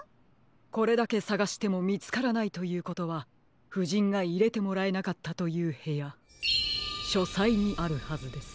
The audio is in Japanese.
これだけさがしてもみつからないということはふじんがいれてもらえなかったというへやしょさいにあるはずです。